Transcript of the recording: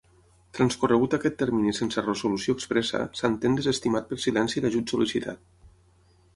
Transcorregut aquest termini sense resolució expressa, s'entén desestimat per silenci l'ajut sol·licitat.